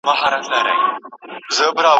خوشحال بلله پښتانه د لندو خټو دېوال